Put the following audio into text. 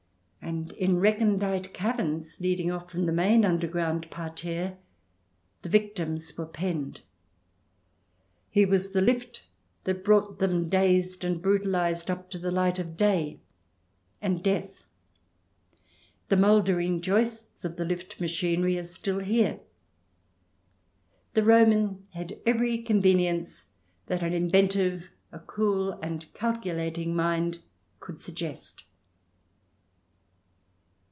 And in recondite caverns leading off from the main underground parterre, the victims were penned. Here was the lift that brought them, dazed and brutalized, up to the light of day and death. The mouldering joists of the lift machinery are still here : the Roman had every convenience that an inventive, a cool and calculating mind could suggest.